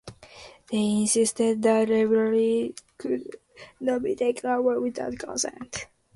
They insisted that liberty could not be taken away without consent.